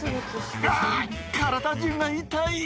あぁ体中が痛い！